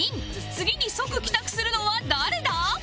次に即帰宅するのは誰だ？